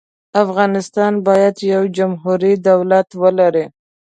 افغانستان باید یو جمهوري دولت ولري.